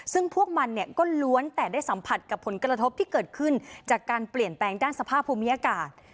ซึ่งพวกมันเนี่ยก็ล้วนแต่ได้สัมผัสกับผลกระทบที่เกิดขึ้นจากการเปลี่ยนแปลงด้านสภาพภูมิอากาศ